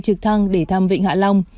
trực thăng để thăm vịnh hạ long